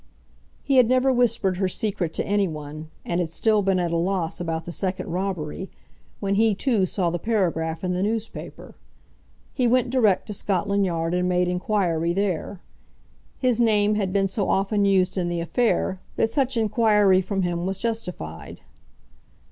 He had never whispered her secret to any one; and had still been at a loss about the second robbery, when he too saw the paragraph in the newspaper. He went direct to Scotland Yard and made inquiry there. His name had been so often used in the affair, that such inquiry from him was justified.